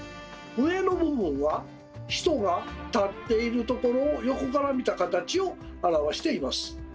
上の部分は人が立っているところを横から見た形を表しています。